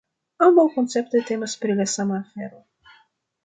Ambaŭ konceptoj temas pri la sama afero.